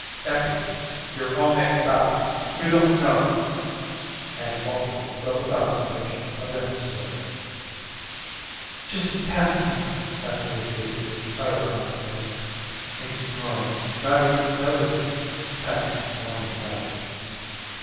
"Effie, you're all mixed up. You don't know " Hank faltered, but without conviction of any sort. "Just test him," Effie repeated with utter confidence, ignoring not even noticing Patrick's warning nudge.